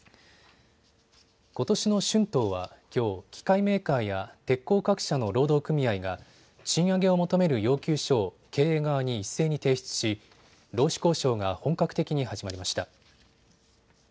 ことしの春闘はきょう、機械メーカーや鉄鋼各社の労働組合が賃上げを求める要求書を経営側に一斉に提出し労使交渉が本格的に始まりました。